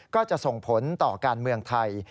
ก็จะส่งผลต่อการเมืองไทย